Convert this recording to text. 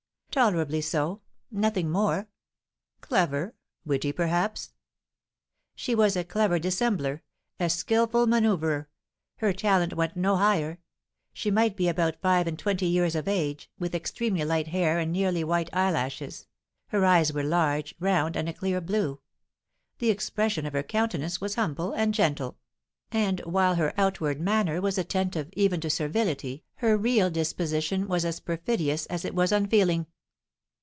"Tolerably so, nothing more." "Clever, witty, perhaps?" "She was a clever dissembler, a skilful manoeuvrer; her talent went no higher. She might be about five and twenty years of age, with extremely light hair and nearly white eyelashes; her eyes were large, round, and a clear blue; the expression of her countenance was humble and gentle; and while her outward manner was attentive, even to servility, her real disposition was as perfidious as it was unfeeling."